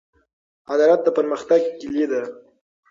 عدالت د پرمختګ کیلي ده.